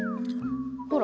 ほら。